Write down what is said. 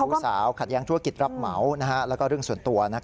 ลูกสาวขัดแย้งธุรกิจรับเหมาแล้วก็เรื่องส่วนตัว